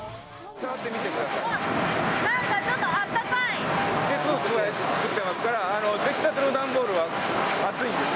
うわっ、なんかちょっとあっ熱を加えて作ってますから、出来たての段ボールは熱いんですよ。